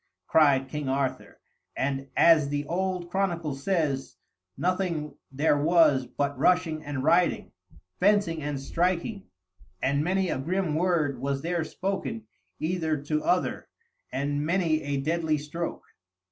cried King Arthur; and, as the old chronicle says, "nothing there was but rushing and riding, fencing and striking, and many a grim word was there spoken either to other, and many a deadly stroke."